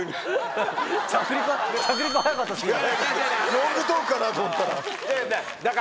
ロングトークかなと思ったら。